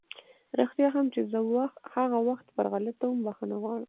رښتيا هم چې زه هغه وخت پر غلطه وم، بښنه غواړم!